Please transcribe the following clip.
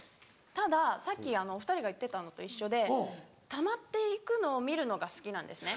たださっきお２人が言ってたのと一緒で貯まっていくのを見るのが好きなんですね。